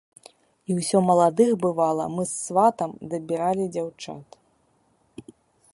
І ўсё маладых, бывала, мы з сватам дабіралі дзяўчат.